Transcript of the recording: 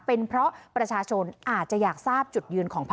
เป็นเพราะประชาชนอาจจะอยากทราบจุดยืนของพัก